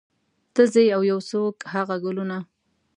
ته ځې او یو څوک هغه ګلونه